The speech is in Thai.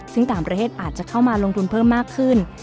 ซึ่งต่างประเทศอาจจะเข้ามาลงทุนเพิ่มมากขึ้น